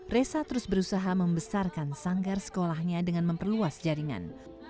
resa terus berusaha membesarkan sanggar sekolahnya dengan memperluas jaringan